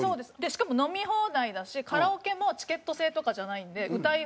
しかも飲み放題だしカラオケもチケット制とかじゃないんで歌い放題で。